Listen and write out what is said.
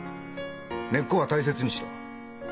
根っこは大切にしろ。